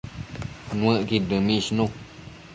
Nuëcqud dëmishnu